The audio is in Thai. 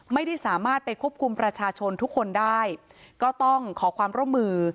ไม่ได้สามารถไปควบคุมประชาชนทุกคนได้ก็ต้องขอความร่วมมือ